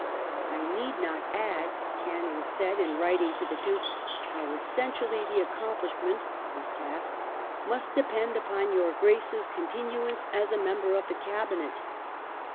"I need not add," Canning said in writing to the Duke, "how essentially the accomplishment [of his task] must depend upon your Grace's continuance as a member of ^the Cabinet."